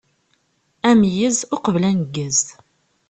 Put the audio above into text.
Ameyyez uqbel aneggez.